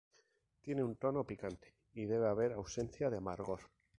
Tiene un tono picante y debe haber ausencia de amargor.